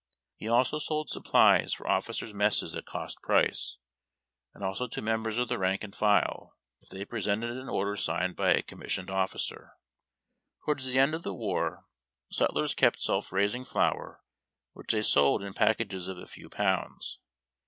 Pie also sold supplies for officers' messes at cost price, and also to members of the rank and file, if they presented an order signed by a commissioned officer. Towards the end of the war sutlers kept self raising flour, which they sold in packages of a few pounds.